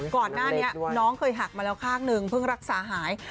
ก่อนหน้านี้น้องเคยหักมาแล้วข้างหนึ่งเพิ่งรักษาหาย